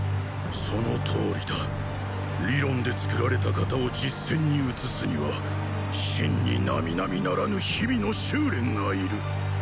そのとおりだ理論で作られた“型”を実戦に移すには真に並々ならぬ日々の修練がいる。